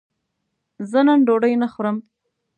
زه نن ډوډی نه خورم